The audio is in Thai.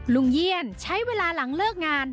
เยี่ยนใช้เวลาหลังเลิกงาน